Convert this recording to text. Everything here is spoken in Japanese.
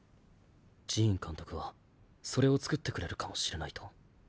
ジーンかんとくはそれをつくってくれるかもしれないと。